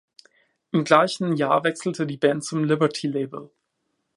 Im gleichen Jahr wechselte die Band zum Liberty Label.